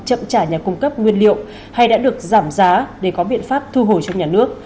chậm trả nhà cung cấp nguyên liệu hay đã được giảm giá để có biện pháp thu hồi cho nhà nước